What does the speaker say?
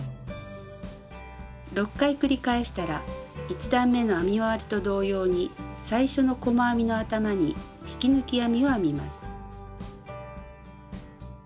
６回繰り返したら１段めの編み終わりと同様に最初の細編みの頭に引き抜き編みを編みます。